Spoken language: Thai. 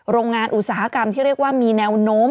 โรงงานอุตสาหกรรมที่เรียกว่ามีแนวโน้ม